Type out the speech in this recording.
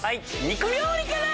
肉料理から！